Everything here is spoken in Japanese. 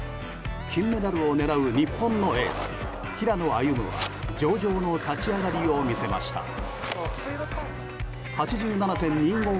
金メダルを狙う日本のエース平野歩夢は上々の立ち上がりを見せました。